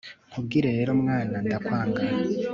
Nkubwire rero mwana ndakwanga